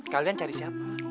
kalian cari siapa